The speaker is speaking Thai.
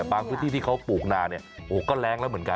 พื้นที่ที่เขาปลูกนาก็แรงแล้วเหมือนกัน